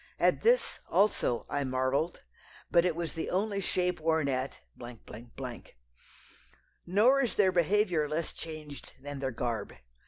At this, also, I marvelled; but it was the only shape worn at . Nor is their behaviour less changed than their garb.